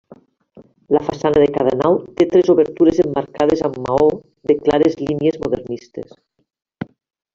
La façana de cada nau té tres obertures emmarcades amb maó de clares línies modernistes.